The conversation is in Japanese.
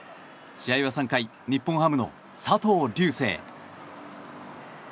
試合は３回日本ハムの佐藤龍世。